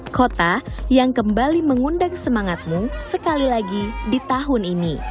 kota yang kembali mengundang semangatmu sekali lagi di tahun ini